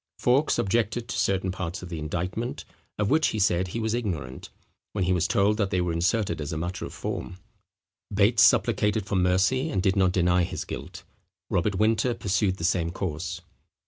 Fawkes objected to certain parts of the indictment, of which he said he was ignorant; when he was told that they were inserted as a matter of form. Bates supplicated for mercy, and did not deny his guilt. Robert Winter pursued the same course.